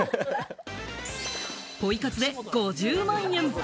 ポイ活で５０万円！？